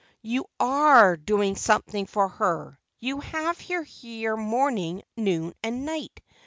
"You are doing something for her; you have her here morning, noon, and night.